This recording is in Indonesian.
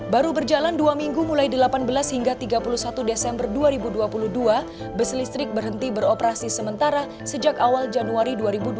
baru berjalan dua minggu mulai delapan belas hingga tiga puluh satu desember dua ribu dua puluh dua bus listrik berhenti beroperasi sementara sejak awal januari dua ribu dua puluh